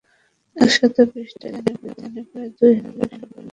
একশত পৃষ্ঠার এ অভিধানে প্রায় দু-হাজার শব্দ সংকলিত হয়।